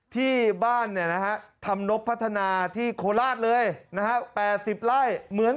ที่บ้านเนี่ยนะฮะธรรมนบพัฒนาที่โคราชเลยนะฮะ๘๐ไร่เหมือน